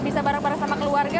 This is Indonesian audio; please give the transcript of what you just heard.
bisa bareng bareng sama keluarga